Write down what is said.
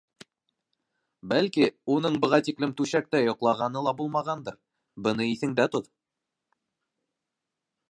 — Бәлки, уның быға тиклем түшәктә йоҡлағаны ла булмағандыр, быны иҫендә тот.